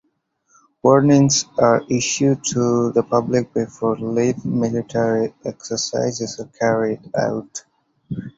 Warnings are issued to the public before live military exercises are carried out.